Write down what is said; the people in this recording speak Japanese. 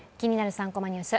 ３コマニュース」